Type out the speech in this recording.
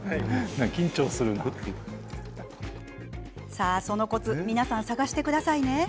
さあ、そのコツ皆さん探してくださいね。